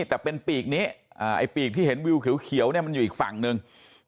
แต่เป็นปีกนี้ไอ้ปีกที่เห็นวิวเขียวเนี่ยมันอยู่อีกฝั่งหนึ่ง